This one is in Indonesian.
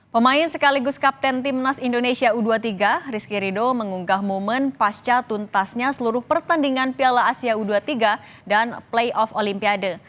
pemain sekaligus kapten timnas indonesia u dua puluh tiga rizky rido mengunggah momen pasca tuntasnya seluruh pertandingan piala asia u dua puluh tiga dan playoff olimpiade